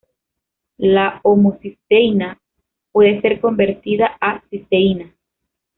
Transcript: La homocisteína puede ser convertida a cisteína.